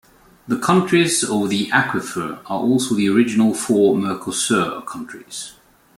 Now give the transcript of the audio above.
The countries over the aquifer are also the original four Mercosur countries.